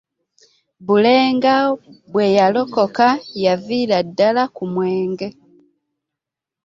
Bulega bwe yalokoka yaviira ddala ku mwenge.